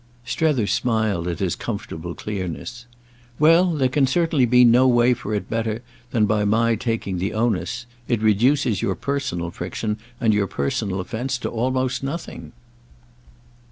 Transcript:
Strether smiled at his comfortable clearness. "Well, there can certainly be no way for it better than by my taking the onus. It reduces your personal friction and your personal offence to almost nothing."